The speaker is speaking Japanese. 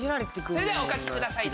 それではお書きください